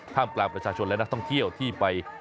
กลางประชาชนและนักท่องเที่ยวที่ไป